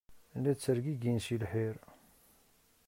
La ttergigin seg lḥir.